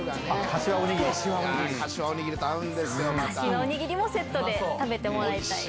かしわおにぎりもセットで食べてもらいたい。